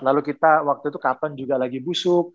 lalu kita waktu itu kapan juga lagi busuk